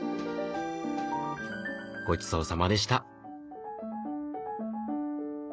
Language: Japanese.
ごちそうさまでした。